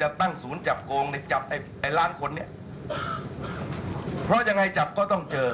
จะตั้งศูนย์จับโกงในจับไอ้ไอ้ล้านคนเนี่ยเพราะยังไงจับก็ต้องเจอ